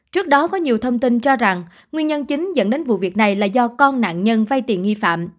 trước đó có nhiều thông tin cho rằng nguyên nhân chính dẫn đến vụ việc này là do con nạn nhân vay tiền nghi phạm